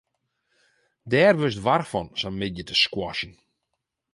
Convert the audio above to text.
Dêr wurdst warch fan, sa'n middei te squashen.